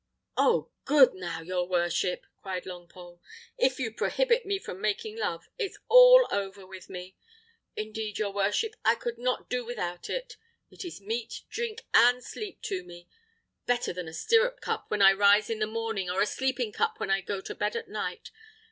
"Oh! good now! your worship," cried Longpole; "if you prohibit me from making love, it's all over with me. Indeed, your worship, I could not do without it. It is meat, drink, and sleep to me; better than a stirrup cup when I rise in the morning, or a sleeping cup when I go to bed at night.